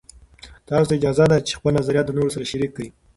تاسې ته اجازه ده چې خپل نظریات د نورو سره شریک کړئ.